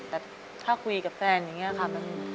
แต่ถ้าคุยกับแฟนอย่างนี้ค่ะ